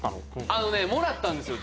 あのねもらったんですよ